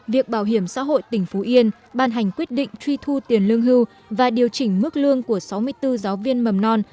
việc bảo hiểm xã hội tỉnh phú yên ban hành quyết định truy thu tiền lương hưu và điều chỉnh mức lương của sáu mươi bốn giáo viên mầm non